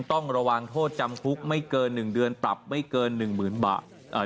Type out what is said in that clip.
ต้องระวังโทษจำคุกไม่เกิน๑เดือนปรับไม่เกินหนึ่งหมื่นบาท